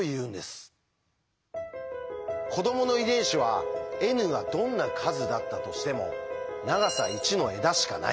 子どもの遺伝子はｎがどんな数だったとしても長さ１の枝しかない。